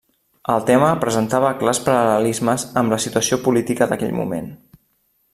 El tema presentava clars paral·lelismes amb la situació política d'aquell moment.